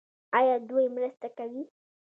آیا دوی مرسته کوي؟